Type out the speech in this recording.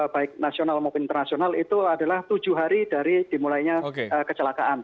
baik nasional maupun internasional itu adalah tujuh hari dari dimulainya kecelakaan